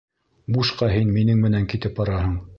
Бушҡа һин минең менән китеп бараһың.